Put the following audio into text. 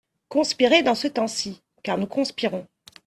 Conspirer dans ce temps-ci !… car nous conspirons .